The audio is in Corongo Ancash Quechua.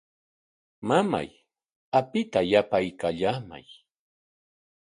Mamay, apita yaparkallamay.